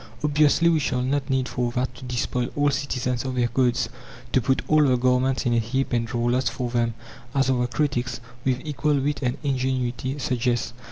Obviously we shall not need for that to despoil all citizens of their coats, to put all the garments in a heap and draw lots for them, as our critics, with equal wit and ingenuity, suggest.